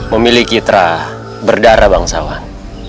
memiliki terah berdarah bangsawan